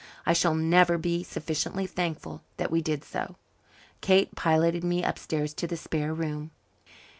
I shall never be sufficiently thankful that we did so. Kate piloted me upstairs to the spare room.